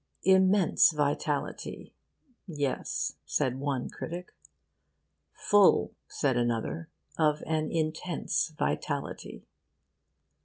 'Immense vitality,' yes, said one critic. 'Full,' said another, 'of an intense vitality.